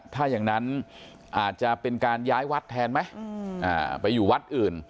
ถ้าอย่างนั้นอาจจะเป็นการย้ายวัดแทนไหมไปอยู่วัดอื่น